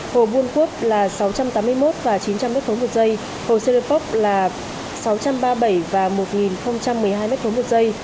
hồ buôn quốc là sáu trăm tám mươi một và chín trăm linh m ba một giây hồ sê đa pốc là sáu trăm ba mươi bảy và một nghìn một mươi hai m ba một giây